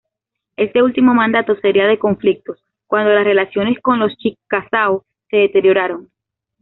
Este último mandato sería de conflictos, cuando las relaciones con los Chickasaw se deterioraron.